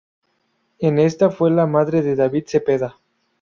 En esta fue la madre de David Zepeda.